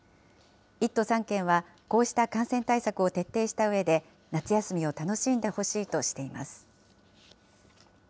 １都３県は、こうした感染対策を徹底したうえで、夏休みを楽しんでほしいとしています。